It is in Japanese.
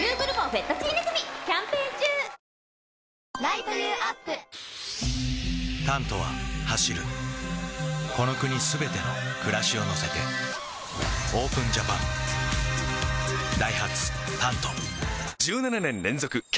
ニトリ「タント」は走るこの国すべての暮らしを乗せてＯＰＥＮＪＡＰＡＮダイハツ「タント」１７年連続軽